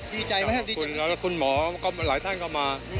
มันได้มีคุณหมอกับหลายท่านก็มา